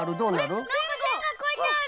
なんかせんがかいてある！